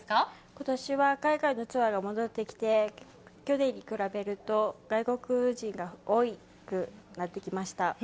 今年は海外のツアーが戻ってきて去年と比べると外国人が多くなってきました。